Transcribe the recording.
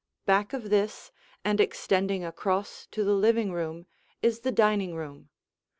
Back of this, and extending across to the living room, is the dining room.